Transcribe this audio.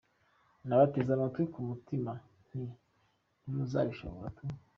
Nabateze amatwi ku mutima nti ntimuzabishora tu!